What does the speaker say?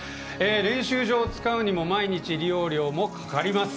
練習場を使うにも毎日、利用料もかかります。